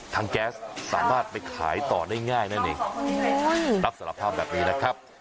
แก๊สสามารถไปขายต่อได้ง่ายนั่นเองรับสารภาพแบบนี้นะครับ